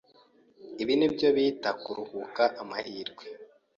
Ibi nibyo bita kuruhuka amahirwe.